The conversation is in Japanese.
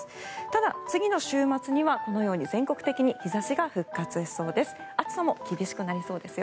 ただ、次の週末にはこのように全国的に日差しが復活しそうです。